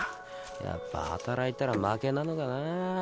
やっぱ働いたら負けなのかなぁ。